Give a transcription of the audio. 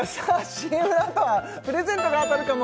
ＣＭの後はプレゼントが当たるかも？